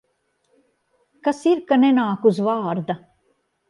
Kas ir, ka nenāk uz vārda?